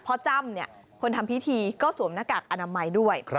จ้ำคนทำพิธีก็สวมหน้ากากอนามัยด้วย